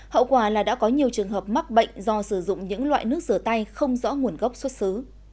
hậu quả là đã có nhiều trường hợp mắc bệnh do sử dụng những loại nước rửa tay không rõ nguồn gốc xuất xứ